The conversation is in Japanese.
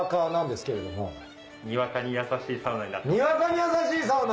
にわかに優しいサウナ！